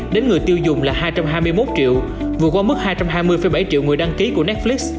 đến người tiêu dùng là hai trăm hai mươi một triệu vượt qua mức hai trăm hai mươi bảy triệu người đăng ký của netflix